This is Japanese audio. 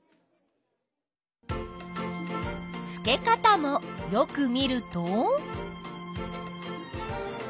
付け方もよく見ると？